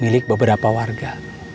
milik beberapa warga